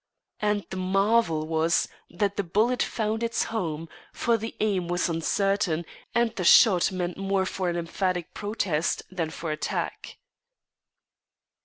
And the marvel was that the bullet found its home, for the aim was uncertain, and the shot meant more for an emphatic protest than for attack.